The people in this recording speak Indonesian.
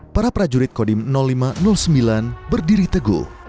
para prajurit kodim lima ratus sembilan berdiri teguh